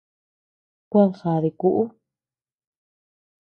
Kuad jaadii kuʼu.